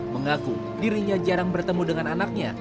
mengaku dirinya jarang bertemu dengan anaknya